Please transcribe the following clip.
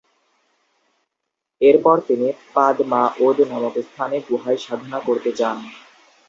এরপর তিনি পাদ-মা-'ওদ নামক স্থানে গুহায় সাধনা করতে যান।